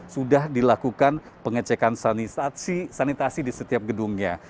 sudah dilakukan pengecekan sanitasi di setiap gedungnya